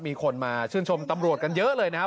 มีคนมาชื่นชมตำรวจกันเยอะเลยนะครับ